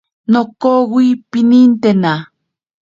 Nokowi pinintatena.